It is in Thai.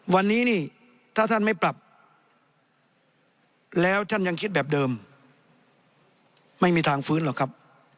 วันนี้นี่ถ้าท่านไม่ปรับแล้วท่านยังคิดแบบเดิมไม่มีทางฟื้นหรอกครับ